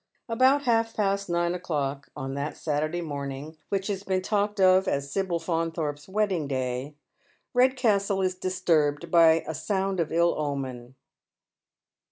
About half past nine o'clock on that Saturday morning which has been talked of as Sibyl Faunthorpe's wedding day, Eedcastle is disturbed by a sound of ill omen.